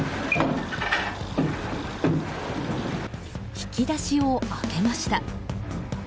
引き出しを開けました。